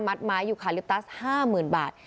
มัตต์ไม้ยุคาริปตัส๕๐๐๐๐บาท